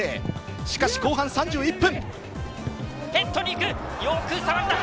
しかし後半３１分。